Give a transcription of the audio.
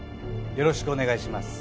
よろしくお願いします。